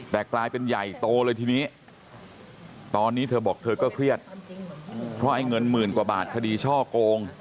แต่กลายเป็นใหญ่โตเลยทีนี้ตอนนี้เธอบอกเธอก็เครียดเพราะไอ้เงินหมื่นกว่าบาทคดีช่อโกง